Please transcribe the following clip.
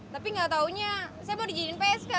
tapi gak taunya saya mau dijadikan psk